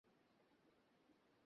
যেটা অন্ধকারে লুকিয়ে আছে।